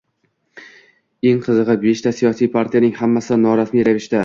Eng qizig‘i, beshta siyosiy partiyaning hammasi norasmiy ravishda